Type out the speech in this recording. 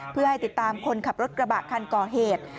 เพื่อให้ติดตามคนขับรถกระบะคันก่อเหตุ